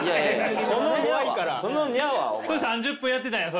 それ３０分やってたんや？